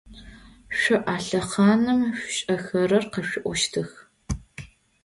Шъо а лъэхъаным шъушӏэхэрэр къэшъуӏощтых.